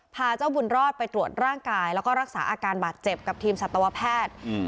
พาเจ้าบุญรอดไปตรวจร่างกายแล้วก็รักษาอาการบาดเจ็บกับทีมสัตวแพทย์